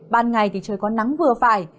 ban ngày thì trời có nắng vừa phải